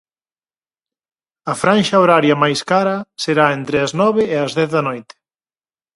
A franxa horaria máis cara será entre as nove e as dez da noite.